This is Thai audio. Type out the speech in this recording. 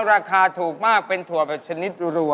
ราคาถูกมากเป็นถั่วแบบชนิดรวมนะครับ